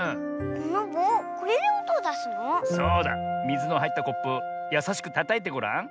みずのはいったコップやさしくたたいてごらん。